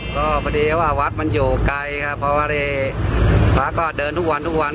ก็พอดีว่าวัดมันอยู่ไกลครับเพราะว่าพระก็เดินทุกวันทุกวัน